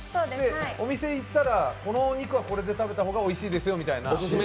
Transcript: お店に行ったらこのお肉はこれで食べた方がおいしいですよみたいな。